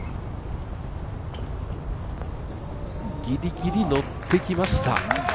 ギリギリのってきました！